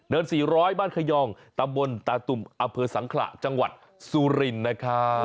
เนิน๔๐๐บ้านขยองตามบนตาตุ่มอเผิดสังขระจังหวัดซูรินนะคะ